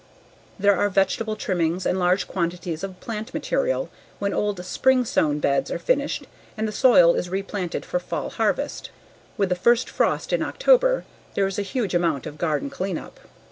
There are vegetable trimmings, and large quantities of plant material when old spring sown beds are finished and the soil is replanted for fall harvest. With the first frost in October there is a huge amount of garden clean up.